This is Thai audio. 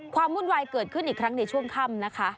วุ่นวายเกิดขึ้นอีกครั้งในช่วงค่ำนะคะ